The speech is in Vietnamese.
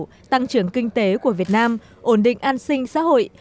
trong suốt khẩu tăng trưởng kinh tế của việt nam ổn định an sinh xã hội